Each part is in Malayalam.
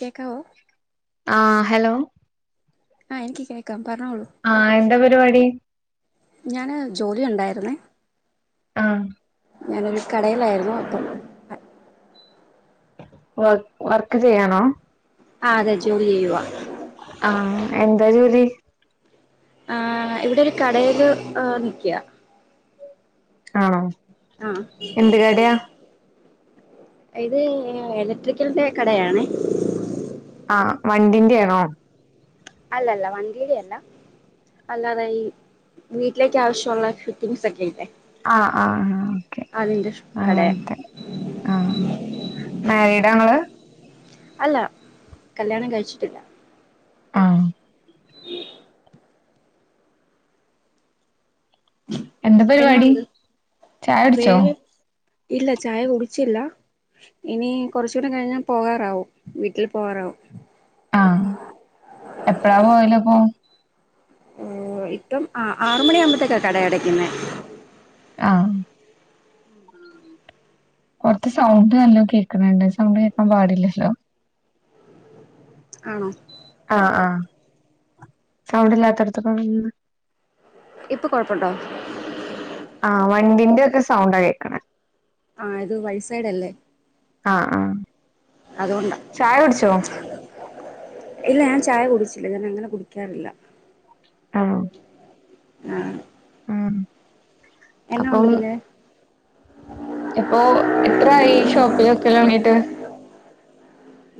കേക്കാവോ. ആഹ ഹലോ. ആഹ എനിക്ക് കേൾക്കാം. ആഹ എന്താ പരിപാടി. ഞാന് ജോലി ഉണ്ടായിരുന്നേ ആ ഞാനൊരു കടയിലായിരുന്നു [inaudible] വർ വർക്ക് ചെയ്യാണോ ആ അതെ ജോലി ചെയ്യുവാ ആഹ് എന്താ ജോലി ആ ഇവിടൊരു കടയില് ആ നിക്കിയാ ആണോ? ആഹ് എന്ത് കടയാ ഇത് ഇലക്ട്രിക്കലിന്റെ കടയാണേ ആ വണ്ടിന്റെയാണോ അല്ലല്ല വണ്ടിടെല്ല അല്ലാതെ ഈ വീട്ടിലേക്ക് ആവശ്യമുള്ള ഫിട്ടിങ്സ് ഒക്കെ ഇല്ലേ ആഹ് ആഹ് ഓക്കെ അതിന്റെ കടയാ അങ്ങനത്തെ ആ മാരീഡങ്ങള് അല്ല കല്യാണം കഴിച്ചിട്ടില്ല ആഹ് എന്താ എന്നാ പരിപാടി ഉണ്ട് ചായ കുടിച്ചോ വേറെ ഇല്ല ചായ കുടിച്ചില്ല ഇനി കൊറച്ചൂടെ കഴിഞ്ഞാൽ പോകാറാവും വീട്ടിൽ പോകാറാവും. ആ എപ്പഴാ പോകല് അപ്പോ ഓ ഇപ്പം ആറുമണിയ ആവുമ്പോത്തേക്കാ കട അടക്കുന്ന ആഹ് പുറത്ത് സൗണ്ട് നല്ലോ കേക്കണുണ്ട് സൗണ്ട് കേക്കാൻ പാടില്ലല്ലോ ആണോ ആ ആ സൗണ്ട് ഇല്ലാത്തടത്ത പോന്ന് ഇപ്പൊ കൊഴപ്പട്ടോ ആഹ വണ്ടിന്റെ ഒക്കെ സൗണ്ട കേൾക്കണേ ആ ഇത് വൈസൈഡല്ലേ ആ ആ അതുകൊണ്ട ഇല്ല ഞാൻ ചായ കുടിച്ചില്ല ഞൻ വിട്ടിന് കുടിക്കാറില്ല ആഹ് ആഹ് ആ എന്നാ ഉണ്ട് പിന്നെ ഇപ്പോ എത്രായി ഷോപ്പിലൊക്കെ വങിട്ട്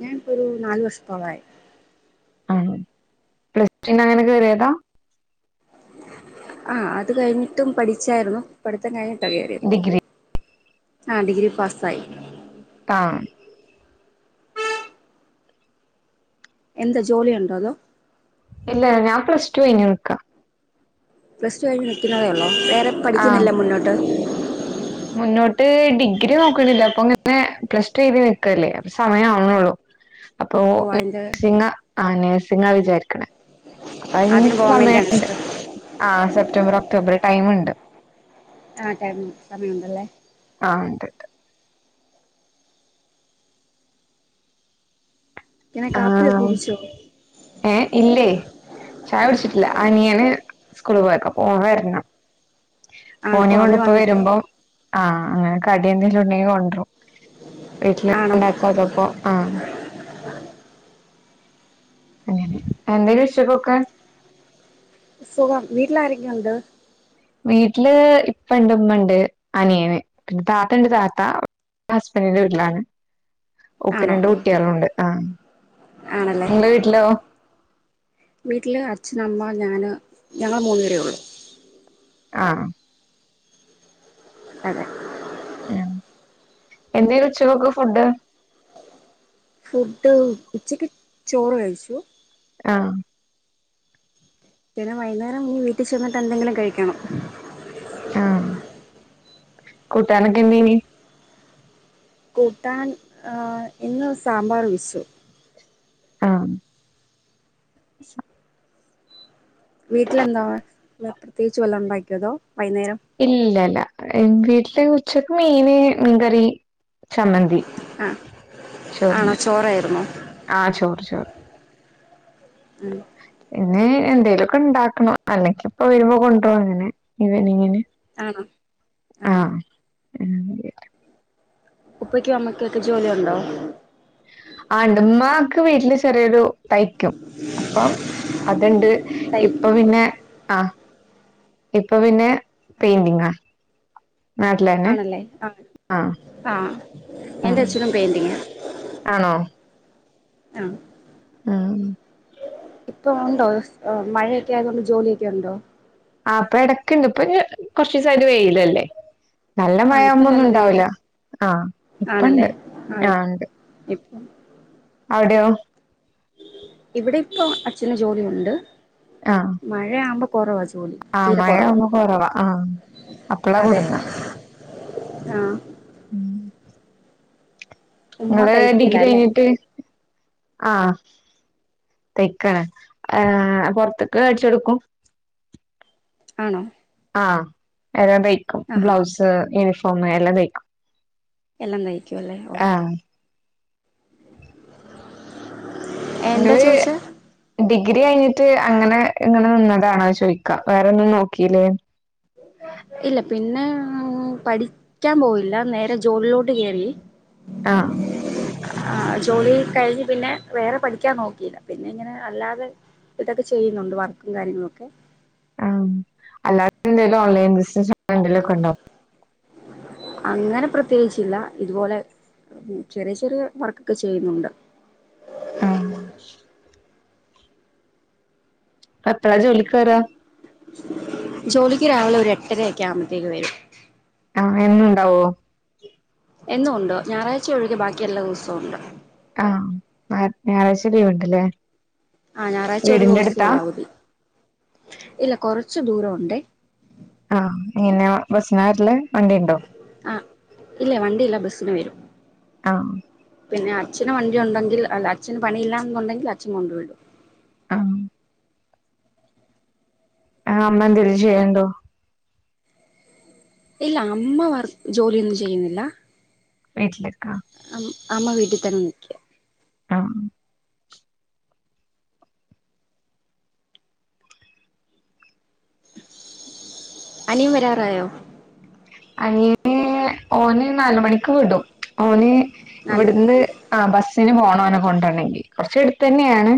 ഞാനിപ്പോ ഒരു നാലു വർഷത്തോളായി ആഹ പ്ലസ് ടൂന് അങ്ങനെ കേറിയതാ ആ അത് കഴിഞ്ഞിട്ടും പഠിച്ചായിരുന്നു പഠിത്തം കഴിഞ്ഞിട്ടോ കേറിയത് ഡിഗ്രി ആഹ ഡിഗ്രി പാസ് ആയി ആഹ് എന്താ ജോലിയ ഉണ്ടോ അതോ ഇല്ല ഞാൻ പ്ലസ് ടു കഴിഞ്ഞ് നിക്കാ പ്ലസ് ടു കഴിഞ്ഞഞ് നൽക്കുന്നതേ ഉള്ളോ വേറെ ആഹ് പഠിക്കുന്നില്ലേ മുന്നോട്ട് മുന്നോട്ട് ഡിഗ്രി നോക്കണില്ല അപ്പൊ പിന്നെ പ്ലസ് ടു കഴിഞ്ഞ് നിൽക്കല്ലേ സമയം അവുന്നതോ ഉള്ളൂ. അപ്പൊ ഓ അതിൻ്റെ നഴ്സിംഗ് ആ നഴ്സിംഗ് വിചാരിക്കണേ അപ്പ അതി അതിന് പോകാൻ വേണ്ടിയാണ് സമയണ്ട് ഇഷ്ടം ആ സെപ്റ്റംബർ ഒക്ടോബർ ടൈമുണ്ട് ആ ടൈമുണ്ട് സമയമുണ്ട് അല്ലെ ആ ഉണ്ട് ഇങ്ങനെ കാപ്പിയൊക്കെ കുടിച്ചോ ഏ ഇല്ലേ ചയ കുടിച്ചിട്ടില്ല ആനിയന് സ്കൂള് പോയക്ക പോവ വരണം ആണോ മോനെ ഓ കൊണ്ട് അവര് ഇപ്പോ വന്നിട്ടും വരുമ്പം ആഹ അങ്ങനെ. കടിയ എന്തേങ്കിലും ഉണ്ടെങ്കി കൊണ്ടരും വീട്ടില് ആണോ ഉണ്ടാക്കോ അതപ്പോ ആ അങ്ങെ എന്തേലും വിക്ഷപോക്ക് സുഖം വീട്ടില ആരക്കേ ഉണ്ട് വീട്ടില് ഇപ്പ ഇണ്ട് ഇമ്മണ്ട് അനിയന് പിന്നെ താത്ത ഇണ്ട് താത്ത ഹസ്ബൻഡിന്റെ വീട്ടിലാണ് ഓൾക്ക് ആണോ രണ്ട് ഓ കുട്ട്യാള്ണ്ട് ആഹ് ആണല്ലേ നിങ്ങളെ വീട്ടിലോ വീട്ടില് അച്ഛനമ്മ ഞാന് ഞങ്ങള് മൂന്നുപേരേ ഉള്ളു ആഹ് അതെ ഏ എന്തേനു ഉച്ചക്കേക്കുള്ള ഫുഡ് ഫുഡ് ഉച്ചക്ക് ചോറ് കഴിച്ചു ആഹ് പിന്നെ വൈന്നേരം ഞ്ഞ് വീട്ടി ചെന്നിട്ട് എന്തെങ്കിലും കഴിക്കണം ആഹ് കൂട്ടാനൊക്കെ എന്തേനി കൂട്ടാൻ ആ ഇന്ന് സാമ്പാർ [unintelligible] ആഹ് [unintelligible] വീട്ടിലെന്താവ ഇന്ന് പ്രത്യേകിച്ച് വല്ലോം ഉണ്ടാക്കിയതോ വൈകുന്നേരം ഇല്ലല്ല മ് വീട്ടില് ഉച്ചക്ക് മീന് മീൻകറി ചമ്മന്തി ആഹ് ആണോ ചോറിന് ചോറായിരുന്നോ ആഹ് ചോറ് ചോറ് ആ പിന്നെ എന്തേലൊക്കെ ഇണ്ടാക്കണം അല്ലെങ്കി ഇപ്പ വരുമ്പോ കൊണ്ടാരന്നെ [unintelligible] ഇങ്ങനെ ആണോ ആഹ് ഹാ ആഹ് ഉപ്പക്കും അമ്മക്കൊക്കെ ജോലിയുണ്ടോ ആ ഇണ്ട് ഉമ്മാക്ക് വീട്ടില് ചെറിയൊരു തയ്ക്കും അപ്പം അത്ണ്ട് തൈ ഇപ്പം പിന്നെ ആ ഇപ്പ പിന്നെ പെയിന്റിങ്ങാ നാട്ടിലന്നെ ആണല്ലേ ആ ആഹ് ആ ആഹ് എന്റെ അച്ഛനും പെയിന്റിങ്ങാ ആഹ് ആഹ് മ് ഇപ്പൊ ഒണ്ടോ അത് ആ മഴയൊക്കെ ആയതോണ്ട് ജോലിയൊക്കെ ഒണ്ടോ ആ ഇപ്പാ എടക്ക്ണ്ട് ഇപ്പൊ കൊറച്ചിസായിട്ട് വെയിലല്ലേ നല്ല മഴ ആഹ് ഇപ്പൊ ആവുമ്പോ ഒന്നും നല്ല വെയില ഇണ്ടാവൂല്ല ആഹ് ഇപ്പണ്ട് ആണല്ലേ ആഹ് ആ ഇണ്ട് ഇപ്പം അവിടെയോ ഇവിടെ ഇപ്പൊ അച്ഛന് ജോലിയുണ്ട് ആഹ് മഴയാവുമ്പോ കൊറവാ ജോ ജോലി ആഹ് തീരെ കൊറവാ മഴയാവുമ്പോ കൊറവാ ആഹ് അപ്പളാ അതെ ആഹ് മ് ഉമ്മ ഇങ്ങള് തയ്ക്കല ഡിഗ്രി അല്ലേ കഴിഞ്ഞിട്ട് ആഹ് തെക്കാണ് ആ പൊറ്ത്ത്ക്ക് തയിച്ചൊടുക്കും ആണോ ആ എല്ലാ തയ്ക്കും ആഹാ ബ്ലൗസ് യൂണിഫോം എല്ലാം തയ്ക്കും എല്ലാം തയിക്കു അല്ലേ ഓക്കെ ആഹ് എന്താ ഇങ്ങള് ചോദിച്ചേ ഡിഗ്രി കഴിഞ്ഞിട്ട് അങ്ങനെ ഇങ്ങനെ നിന്നതാണോ ചോയിക്ക വേറൊന്നും നോക്കില്ലേ ഇല്ല പിന്നെ മ് പഠിക്കാൻ പോയില്ല നേരെ ജോലിലോട്ട് കേയറി ആഹ ആ ജോലി കഴിഞ്ഞ് പിന്നെ വേറെ പഠിക്കാൻ നോക്കിയില്ല പിന്നെ ഇങ്ങനെ അല്ലാതെ ഇതൊക്കെ ചെയ്യുന്നുണ്ട് വർക്കും കാര്യങ്ങളൊക്കെ ആ അല്ലാതെ എന്തേലും ഓൺലൈൻ ബിസിനെസ്സും എന്തേലും ഒക്കെ ഉണ്ടോ അങ്ങനെ പ്രത്യേകിച്ചില്ല ഇതുപോലെ ചെറിയ ചെറിയ വർക്കൊക്കെ ചെയ്യുന്നുണ്ട് ആ എപ്പഴാ ജോലിക്ക് വര്യാ? ജോലിക്ക് രാവിലെ ഒരു എട്ടര ഒക്കെ ആവുമ്പോഴത്തേക്ക് വരും ആ എന്നുമുണ്ടാവോ? എന്നും ഉണ്ട് ഞായറാഴ്ച ഒഴികെ ബാക്കി എല്ലാ ദിവസവും ഉണ്ട് ആ ഞായറാഴ്ച ലീവുണ്ടല്ലേ? ആ ഞായറാഴ്ച ഒരു ദിവസെയുള്ളൂ അവധി ഇല്ല കൊറച്ചു ദൂരം ഉണ്ടേ ആ എങ്ങന ബസ്സിനാ വരല്ല്? അ. ഇല്ല വണ്ടി ഇല്ല ബസ്സിന് വരും. ആ പിന്നെ അച്ഛന് വണ്ടി ഉണ്ടെങ്കിൽ അല്ല അച്ഛന് പണിയില്ലാന്നുണ്ടെങ്കിൽ അച്ഛന് കൊണ്ടു വിടും ആ ആ അമ്മ എന്തെങ്കിലും ചെയ്യുന്നുണ്ടോ? ഇല്ല അമ്മ വർക്ക് ജോലിയൊന്നും ചെയ്യുന്നില്ല. വീട്ടിലിരിക്ക അമ് അമ്മ വീട്ടിൽ തന്നെ നിക്ക്യാ ആഹ് അനിയൻ വരാറായോ? അനിയനെ ഓനെ നാലു മണിക്ക് വിടും ഓനെ ഇവിടുന്ന് ആ ബസ്സിന് പോണം അവനെ കൊണ്ടുവരണെങ്കിൽ കൊറച്ച് അടുത്ത് തന്നെയാണ്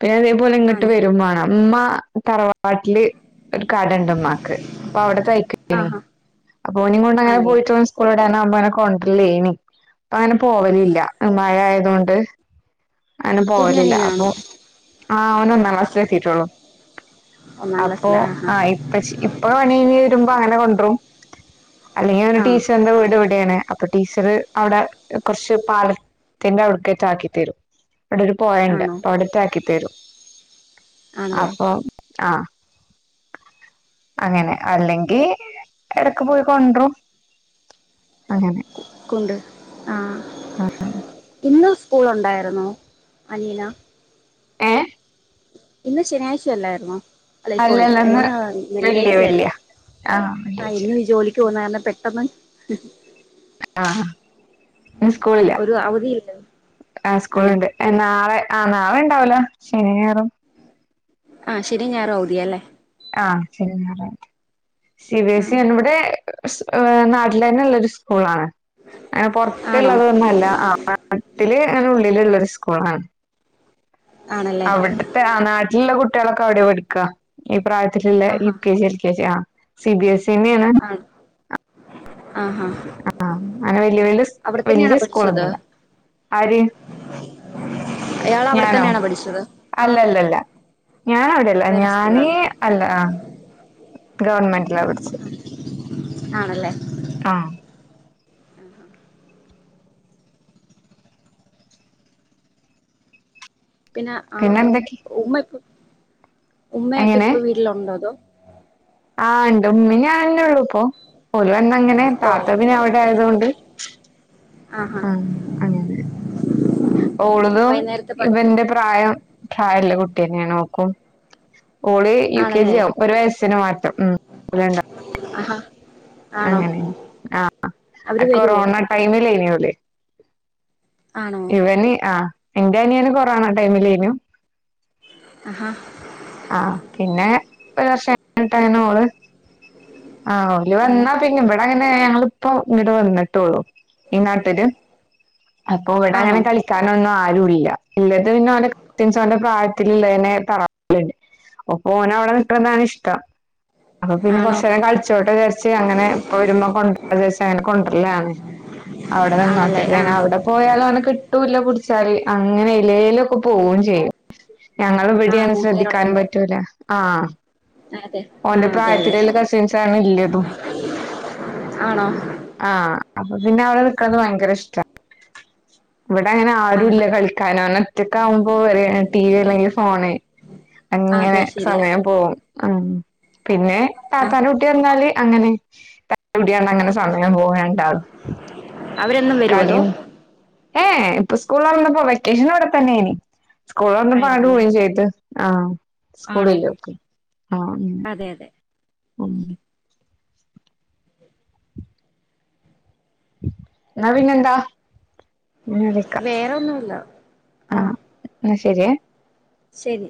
പിന്നെ അതേപോലെ ഇങ്ങോട്ട് ആണോ വരുംവേണം. ഉമ്മ തറവാ വാട്ടില് ഒരു കട ഉണ്ട് ഉമ്മാക്ക് അപ്പൊ അവിടെ തയ്ക്കനി ആഹാ ഓനെ കൊണ്ട് അങ്ങനെ ആണല്ലേ പോയിട്ട് വാ സ്കു [unintelligible] കൊണ്ടില്ലേനി അപ്പൊ അങ്ങനെ പോവലില്ല മഴ ആയതൊണ്ട് അങ്ങനെ പോവലില്ല. അപ്പൊ കുഞ്ഞനിയനാണോ ആ അവന് ഒന്നാം ക്ളാസിലെത്തീട്ടുള്ളു ഒന്നാം അപ്പൊ ക്ലാസ്സിലാ ആഹാ ആ ഇപ്പ ശ് ഇപ്പൊ പണിഞ്ഞ് വരുമ്പോ അങ്ങനെ കൊണ്ടുവരും അല്ലെങ്കിൽ അവൻറെ ആഹ് ടീച്ചറിന്റെ വീട് ഇവിടെയാണ് അപ്പൊ ടീച്ചറ് അവിടെ കുറച്ച് പാലത്തിന്റെ അവിടത്തേക്കാക്കി തരും അവിടെ ഒരു പൊഴയുണ്ട് ആണോ അപ്പൊ അവിടുത്തക്ക് ആക്കിത്തരും ആണല്ലേ അപ്പൊ ആ അങ്ങനെ അല്ലെങ്കിൽ ഇടക്ക് പോയി കൊണ്ടുവരും അങ്ങനെ കൊണ്ട് ആ ഇന്ന് സ്കൂൾ ഉണ്ടായിരുന്നു അനിയന് ഏ ഇന്ന് ശനിയാഴ്ച അല്ലായിരുന്നോ അല്ലെ സോറി അല്ലല്ലെന്ന് ഇന്ന് വലിയ വലിയ വെള്ളിയാഴ്ചയല്ലേ ആ ആ വെള്ളിയാഴ്ച ഇന്ന് ജോലിക്ക് പോന്ന കാര പെട്ടെന്ന് ആ സ്കൂളില്ല ഒരു അവധിയില്ല ആ ആഹ് സ്കൂളുണ്ട് നാളെ ആ നാളെ ഉണ്ടാവില്ല ശനിയും ഞായറും ആ ശനിയും ഞായറും അവധിയ അല്ലേ ആ ശനിയും ഞായറും അവധി. സി ബിഎസ് ആഹ് ഇ ആണിവിടെ നാട്ടില് തന്നെ ഉള്ളൊരു സ്കൂളാണ് അ ആണോ പുൊറത്തുള്ളതൊന്നല്ല നാട്ടില് അങ്ങനെ ഉള്ളിലുള്ളൊരു സ്കൂളാണ് ആണല്ലേ അവിടുത്തെ ആ നാട്ടിലുള്ള കുട്ടികളൊക്കെ അവിടെയാ പഠിക്കുക ഇപ്പ പ്രായത്തിലുള്ള ആഹാ യുകെജി എൽകെജി ആഹ് സിബിഎസ് ആഹ് ആഹ് അങ്ങനെ വല്യ വല്യ അവിടെ തന്നെയാണോ വല്യ സ്കൂൾ പഠിച്ചത് ഉണ്ടാലോ. ആര് അയാൾ അവിടെ ഞാനോ തന്നെയാണോ പഠിച്ചത് ആഹ് അല്ലല്ലല്ല. ഞാൻ അവിടെ അല്ല വേറെ ഞാനീ സ്കൂളിലാണോ അല്ല ആഹ് ഗവൺമെന്റില് പഠിച്ചേ. ആണല്ലേ. ആഹ്. പിന്നെ ആ ഉമ്മ ഉമ്മയൊക്കെ ഇപ്പൊ വീട്ടിലുണ്ടോ അതോ ആഹ് ഉണ്ട് ഉമ്മി ഞാൻന്നെ ഉള്ളൂ ഇപ്പൊ ഒരുവന്ന അങ്ങനെ ഓ താത്തപിന്നെ അവിടെ ആയൊണ്ട് ആഹാ ആ അങ്ങനെ ഓളുതും വൈകുന്നേരത്തെ പ ഇവന്റെ പ്രായം. തായല്ല കുട്ട്യനേ ഓക്കും. ഓള് യു കെ ജി ആണല്ലേ ആവും ഒരു വയസ്സിന് മാറ്റം ആഹാ ആണോ അങ്ങനെ അവര് ആഹ് വരുവോ കൊറോണ ടൈമിലേ നോല് ആണോ ഇവന് ആ എന്റെ അനിയന് കൊറോണ ടൈമിലെനു ആഹാ ആഹ് പിന്നെ ഒരു വർഷംട്ടങ്ങനെ ഓള് ആഹ് ഓല് ആണോ വന്നാ പിന്നെ ഇവിടെങ്ങ അ ഞങ്ങളിപ്പോ ഇങ്ട് വന്നിട്ടോളു ഈ നാട്ടില് കൂടെ ആണോ ഇങ്ങനെ കളിക്കാനൊന്നും ആ രൂല ഇള്ളത് പിന്നെ ഓന്റെ കസിൻസ് ഓന്റെ പ്രായത്തില് ഇള്ളെന്നെ തറവാ [unintelligible] അപ്പോ ഓനവടെ നിക്കണതാണിഷ്ടം അപ്പോ പിന്നെ ആണോ കൊറച്ചേരം കളിച്ചോട്ടെ വിചാരിച്ച് അങ്ങനെ ഉപ്പ വരുമ്പോ കൊണ്ടരാ വിചാരിച്ച് അങ്ങനെ കൊണ്ടരലാണ്. അവിടെ നിന്നോട്ടെ ആണല്ലേ ആ [unintelligible] അവടെ ഓനെ കിട്ടൂല്ല പിടിച്ചാല് അങ്ങനെ എയ്ലേലൊക്കെ പോവും ചെയ്യും. ഞങ്ങള് ആ ഇവിടിയാണ് ശ്രദ്ധിക്കാനും കൂട്ടുകാരുള്ളോണ്ട് പറ്റൂല ആഹ് അതെ ഓന്റെ ആഹ് അതെ അതെ പ്രായത്തിലുള്ള കസിൻസ് ആണ് ഇല്ലതും ആണോ ആഹ് അപ്പൊ പിന്നെ അവൾക്കത് ഭയങ്കര ഇഷ്ടാ. ഇവിടെ അങ്ങനെ ആരുും ആഹാ ഇല്ല കളിക്കാനോന് ഒറ്റ കാവുമ്പോ ടി വി അല്ലെങ്കിൽ ഫോണ്. അങ്ങനെ അതെ ശരിയാ സമയം പോകും അ പിന്നെ ആ പാപ്പാൻ കുട്ടി വന്നാല് അങ്ങനെ എവിടെയാണ് അങ്ങനെ സമയം പോവണ്ട അവരന്നും വരോ അതോ ഏഎ ഇപ്പൊ സ്കൂളോർന്നപ്പോ വെക്കേഷൻ വിടതന്നേ ഇനി. സ്കൂളൊർന്നപ്പോ അങ്ങ്ട് ആയിരുന്നല്ലേ പോവിം ചെയ്ത് ആ ആണോ സ്കൂളില്ലിപ്പൊ അതെ അതെ ഉം. ന്ന പിന്നെന്താ ഞാൻ വിളിക്കാം വേറെന്നുല്ല. ആഹ്. ശെരിയേ ശരി